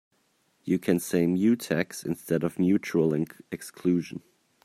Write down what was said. You can say mutex instead of mutual exclusion.